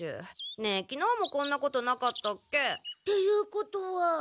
ねえきのうもこんなことなかったっけ？っていうことは。